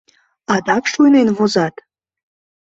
Адак шуйнен возат.